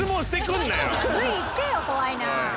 Ｖいってよ怖いな。